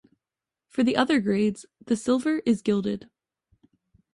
For the other grades, the silver is gilded.